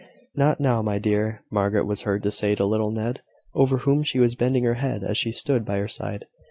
"Not now, my dear," Margaret was heard to say to little Ned, over whom she was bending her head as he stood by her side.